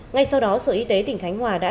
ngay sau đó sở y tế tỉnh khánh hòa đã